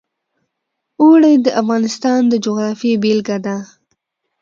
اوړي د افغانستان د جغرافیې بېلګه ده.